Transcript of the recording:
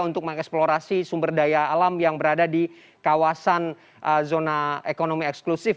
untuk mengeksplorasi sumber daya alam yang berada di kawasan zona ekonomi eksklusif